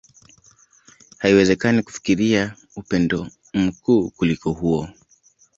Haiwezekani kufikiria upendo mkuu kuliko huo.